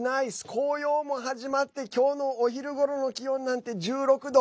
Ｏｈ，ｉｔｉｓｎｉｃｅ．紅葉も始まって、今日のお昼ごろの気温なんて１６度。